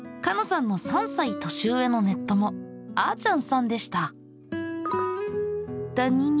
さんの３歳年上のネッ友あーちゃんさんでした。